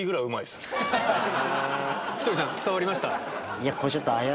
ひとりさん伝わりました？